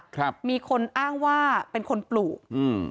ครับมีคนอ้างว่าเป็นคนปลูกอืม